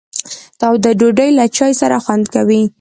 تاوده ډوډۍ له چای سره خوند کوي.